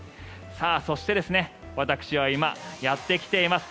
そして、私は今、やってきています